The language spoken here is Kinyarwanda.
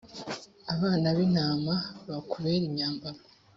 abana b’intama bakubera imyambaro